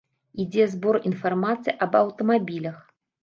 Ідзе збор інфармацыі аб аўтамабілях.